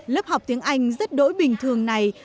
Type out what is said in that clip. lớp học tiếng anh rất đỗi bình thường này